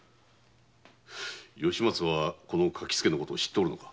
吉松はこの書付のことを知っておるのか？